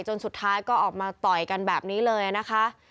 สุดท้ายก็ออกมาต่อยกันแบบนี้เลยนะคะ